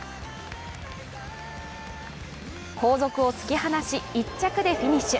後続を突き放し、１着でフィニッシュ。